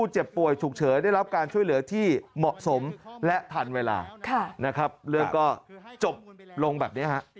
ขอบคุณครับ